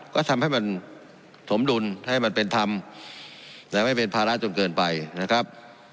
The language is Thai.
ก็ทำให้มันสมดุลให้มันเป็นธรรมไม่เป็นภาระจนเกินไปนะครับ